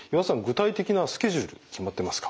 具体的なスケジュール決まってますか？